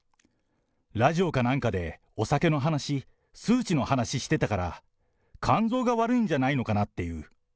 ラジオかなんかで、お酒の話、数値の話してたから、肝臓が悪いんじゃないのかなっていう。